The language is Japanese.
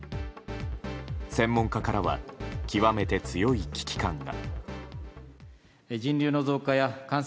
専門家からは極めて強い危機感が。